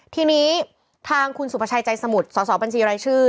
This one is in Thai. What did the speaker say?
ทีนี้ทางคุณสุภาชัยใจสมุทรสอสอบัญชีรายชื่อ